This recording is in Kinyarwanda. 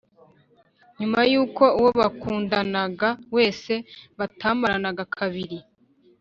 nyuma y’uko uwo bakundanaga wese batamaranaga kabiri,